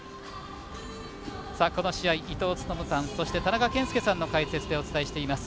この試合、伊東勤さんそして、田中賢介さんの解説でお伝えしています。